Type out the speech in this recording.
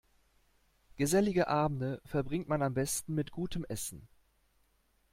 Gesellige Abende verbringt man am besten mit gutem Essen.